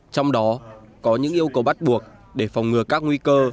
trong đó có những yêu cầu bắt buộc để phòng ngừa các nguy cơ